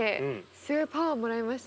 すごいパワーもらいましたね。